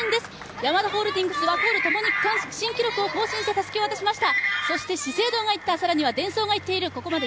ヤマダホールディングス、ワコールともに区間記録を更新してたすきを渡しました。